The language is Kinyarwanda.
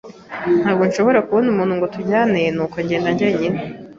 Ntabwo nashoboraga kubona umuntu ngo tujyane, nuko ngenda njyenyine.